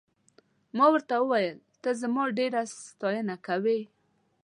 ما ورته وویل ته زما ډېره ستاینه کوې.